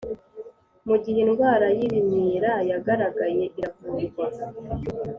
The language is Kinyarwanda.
Mu gihe indwara y ibimyira yagaragaye iravurwa